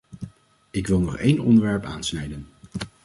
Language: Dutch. Ik wil nog één onderwerp aansnijden.